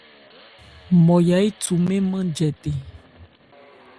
Nmɔya éthu mɛ́n nman jɛtɛn.